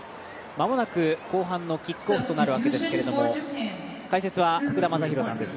間もなく、後半のキックオフとなるわけですけれども解説は、福田正博さんです。